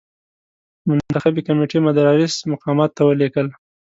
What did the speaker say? منتخبي کمېټې مدراس مقاماتو ته ولیکل.